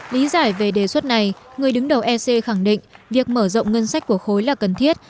lý giải về đề xuất này người đứng đầu ec khẳng định việc mở rộng ngân sách của khối là cần thiết